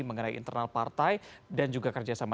mengerai internal partai dan juga kerja sama